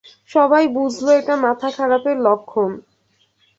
সবাই বুঝল এটা মাথা-খারাপের লক্ষণ।